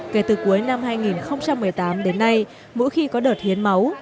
kể từ cuối năm hai nghìn một mươi tám đến nay mỗi khi có đợt hiến máu